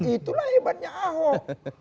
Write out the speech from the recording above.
itulah hebatnya ahok